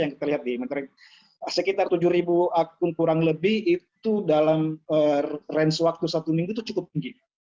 yang terlihat di internet sekitar tujuh akun kurang lebih itu dalam range waktu satu minggu itu cukup tinggi